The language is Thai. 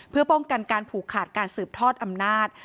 เพื่อป้องกันการผูกขาดการสืบทอดอำนาจ